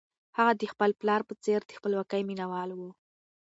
هغه د خپل پلار په څېر د خپلواکۍ مینه وال و.